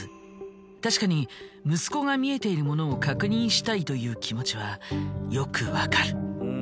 確かに息子が見えているものを確認したいという気持ちはよくわかる。